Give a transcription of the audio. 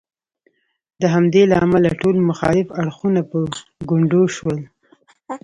د همدې له امله ټول مخالف اړخونه په ګونډو شول.